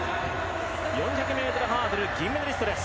４００ｍハードル銀メダリストです。